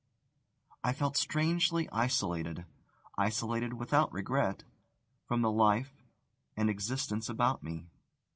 I felt strangely isolated isolated without regret from the life and existence about me.